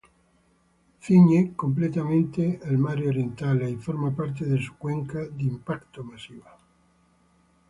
Ciñe completamente al Mare Orientale, y forma parte de una cuenca de impacto masiva.